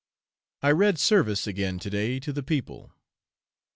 _ I read service again to day to the people.